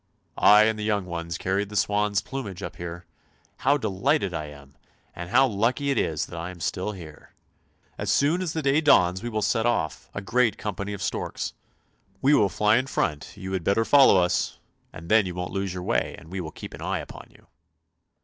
I and the young ones carried the swans' plumage up here ! How delighted I am, and how lucky it is that I am still here ; as soon as the day dawns we will set off, a great company of storks. We will fly in front, you had better follow us, and then you won't lose your way, and we will keep an eye upon you."